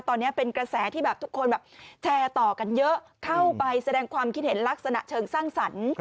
ตอนนี้เป็นกระแสที่แบบทุกคนแบบแชร์ต่อกันเยอะเข้าไปแสดงความคิดเห็นลักษณะเชิงสร้างสรรค์